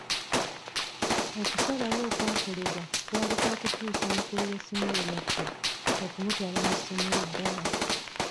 Okusalawo okwakolebwa kwali kwa kukyusa mukulu w'essomero lyaffe okumutwala mu ssomero ddala.